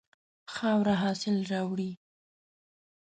خاوره حاصل راوړي.